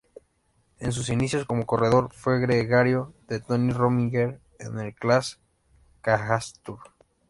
En sus inicios como corredor fue gregario de Tony Rominger en el Clas-Cajastur.